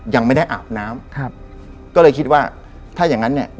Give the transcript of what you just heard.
ยังไม่ได้อาบน้ำครับก็เลยคิดว่าถ้าอย่างงั้นเนี่ย